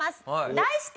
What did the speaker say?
題して。